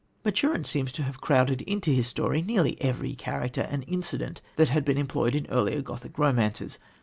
Maturin seems to have crowded into his story nearly every character and incident that had been employed in earlier Gothic romances.